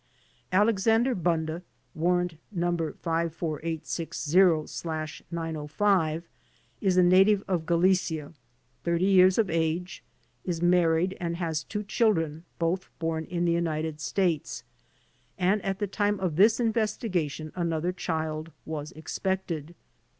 Alexander Bunda (Warrant No. 54860/905) is a na tive of Galicia, thirty years of age, is married and has two children, both born in the United States, and at the time of this investigation another child was expected.